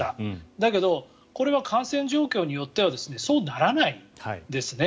だけど、これは感染状況によってはそうならないんですね。